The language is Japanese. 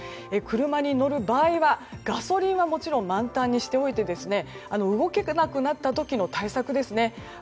車に乗る場合はガソリンはもちろん満タンにしておいて動けなくなった時の対策ですね。